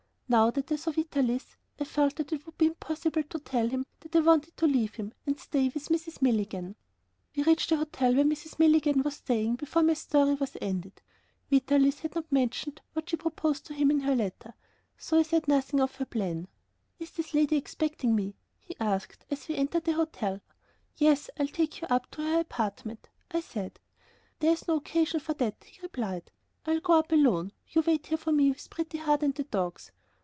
Now that I saw Vitalis, I felt that it would be impossible to tell him that I wanted to leave him and stay with Mrs. Milligan. We reached the hotel where Mrs. Milligan was staying, before my story was ended. Vitalis had not mentioned what she had proposed to him in her letter, so I said nothing of her plan. "Is this lady expecting me?" he asked, as we entered the hotel. "Yes, I'll take you up to her apartment," I said. "There's no occasion for that," he replied; "I'll go up alone; you wait here for me with Pretty Heart and the dogs."